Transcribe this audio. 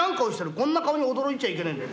こんな顔に驚いちゃいけねえんだよ。